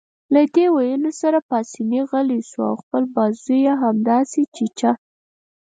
له دې ویلو سره پاسیني غلی شو او خپل بازو يې همداسې چیچه.